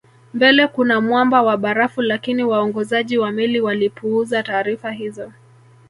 Mbele kuna mwamba wa barafu lakini waongozaji wa meli walipuuza taarifa hizo